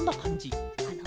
あの。